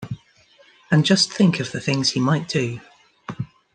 And just think of the things he might do!